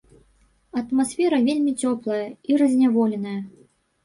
Атмасфера вельмі цёплая і разняволеная.